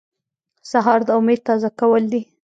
سهار د امید تازه کول دي.